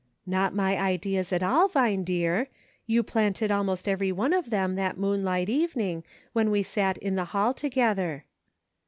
" Not my ideas at all. Vine dear ; you planted almost every one of them that moonlight evening when we sat in the Hall together."